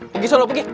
pergi jodoh pergi